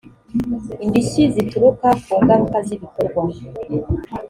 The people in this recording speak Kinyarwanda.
indishyi zituruka ku ngaruka z ibikorwa